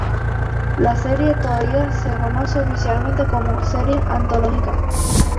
La serie todavía se conoce oficialmente como "Serie Antológica".